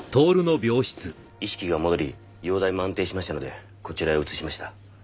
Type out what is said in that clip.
意識が戻り容態も安定しましたのでこちらへ移しました。